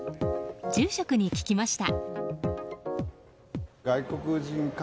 住職に聞きました。